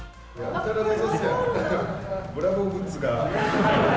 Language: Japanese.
ブラボーグッズが。